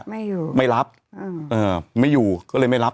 ไม่อยู่ไม่รับอืมเอ่อไม่อยู่ก็เลยไม่รับ